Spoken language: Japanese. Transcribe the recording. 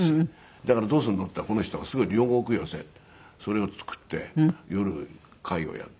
だからどうするの？って言ったらこの人がすぐ両国寄席ってそれを作って夜会をやって。